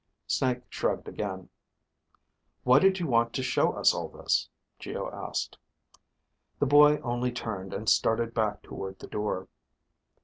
Snake shrugged again. "Why did you want to show us all this?" Geo asked. The boy only turned and started back toward the door.